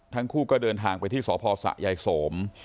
ทั้งคู่ก็เดินทางไปที่สพสะยายสม